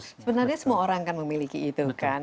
sebenarnya semua orang kan memiliki itu kan